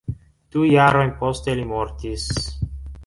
Du jarojn poste li mortis.